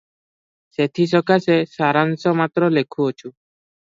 ସେଥିସକାଶେ ସାରାଂଶ ମାତ୍ର ଲେଖୁଅଛୁ